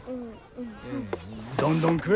どんどん食え！